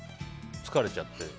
疲れちゃって。